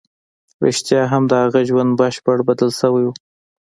رښتيا هم د هغه ژوند بشپړ بدل شوی و.